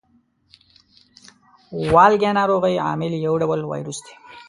والګی ناروغۍ عامل یو ډول ویروس دی.